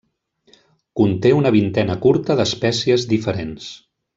Conté una vintena curta d'espècies diferents.